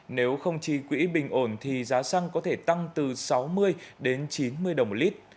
nếu không trì quỹ bình ổn thì giá xăng có thể tăng từ sáu mươi đến chín mươi đồng một lít